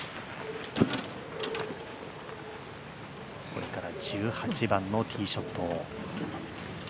これから１８番のティーショット。